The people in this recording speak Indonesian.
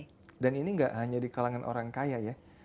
iya dan ini gak hanya di kalangan orang kaya ya